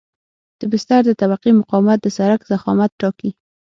د بستر د طبقې مقاومت د سرک ضخامت ټاکي